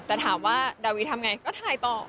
แต่ถามว่าดาวิทำไงก็ถ่ายต่อ